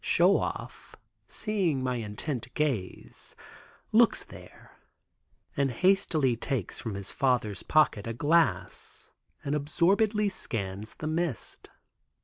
Show Off seeing my intent gaze looks there, and hastily takes from his father's pocket a glass and absorbedly scans the mist.